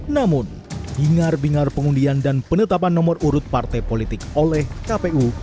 namun bingar bingar pengundian dan penetapan nomor urut partai politik oleh kpu